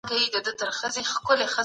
څېړونکی د تخلیقي ادب په دقت شننه کوي.